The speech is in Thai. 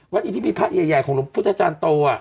วัดอินที่มีพระใหญ่ของรมพุทธอาจารย์โต